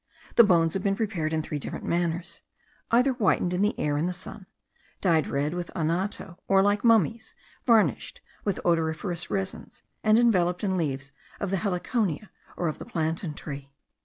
The bones have been prepared in three different manners, either whitened in the air and the sun, dyed red with anoto, or, like mummies, varnished with odoriferous resins, and enveloped in leaves of the heliconia or of the plantain tree.